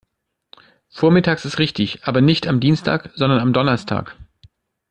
Vormittags ist richtig, aber nicht am Dienstag, sondern am Donnerstag.